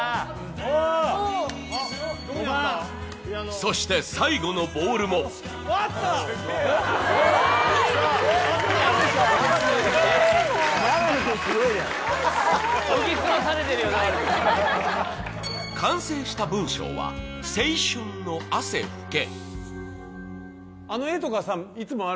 そして最後のボールも完成した文章は「青春の汗ふけ」。